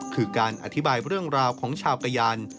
คือการอธิบายเรื่องราวของชาวกะยัน